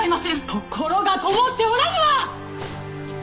心がこもっておらぬわ！